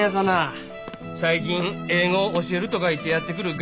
最近英語教えるとか言ってやって来る外国人。